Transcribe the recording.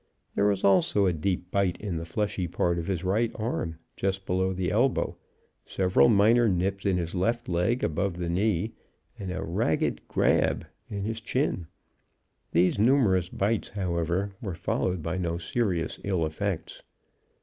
There was also a deep bite in the fleshy part of his right arm, just below the elbow, several minor nips in his left leg above the knee, and a ragged "grab" in the chin. These numerous bites, however, were followed by no serious ill effects.